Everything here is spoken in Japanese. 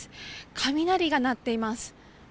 雷が鳴っています。